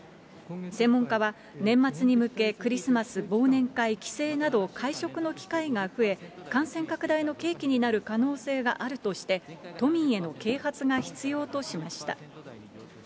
専門家は年末に向け、クリスマス、忘年会、帰省など、会食の機会が増え、感染拡大の契機になる可能性があるとして、都民への啓発が必要としました。